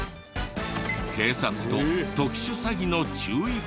警察と特殊詐欺の注意喚起など。